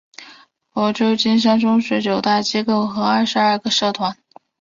潮州金山中学九大机构和二十二个社团。